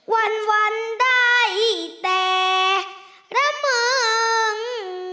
วันได้แต่ละเมือง